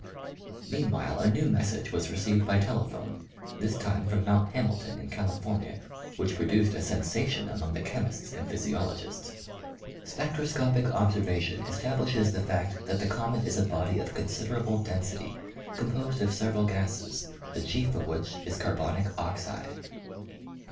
Meanwhile, a new message was received by telephone, this time from Mount Hamilton in California, which pro duced a sensation among the chemists and physiologists :" Spectroscopic observation establishes the fact that the comet is a body of considerable density, composed of sev eral gases the chief of which is carbonic oxide."